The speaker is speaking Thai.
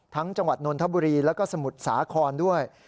จังหวัดนนทบุรีแล้วก็สมุทรสาครด้วย